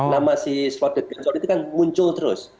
nama si slot com itu kan muncul terus